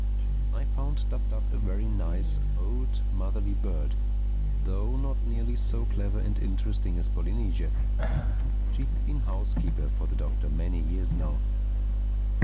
I found Dab Dab a very nice, old, motherly bird—though not nearly so clever and interesting as Polynesia. She had been housekeeper for the Doctor many years now.